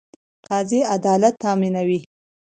قاضي عدالت تامینوي